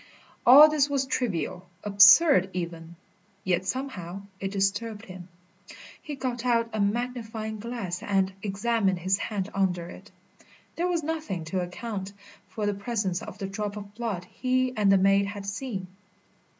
All this was trivial, absurd even. Yet somehow it disturbed him. He got out a magnifying glass and examined his hand under it. There was nothing to account for the presence of the drop of blood he and the maid had seen.